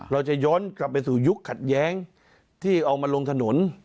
เราจะย้อนกลับไปสู่ยุคขัดแย้งที่เอามาลงถนน